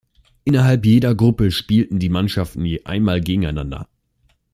Innerhalb jeder Gruppe spielten die Mannschaften je einmal gegeneinander.